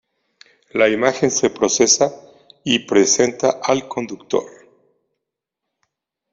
La imagen se procesa y presenta al conductor.